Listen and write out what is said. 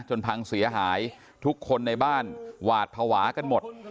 พังเสียหายทุกคนในบ้านหวาดภาวะกันหมด